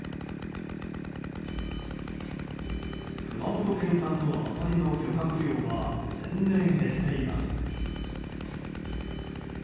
熊本県産のアサリの漁獲量は年々減っています。